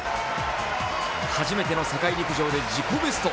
初めての世界陸上で自己ベスト。